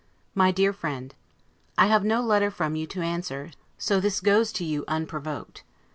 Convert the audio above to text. MY DEAR FRIEND: I have no letter from you to answer, so this goes to you unprovoked.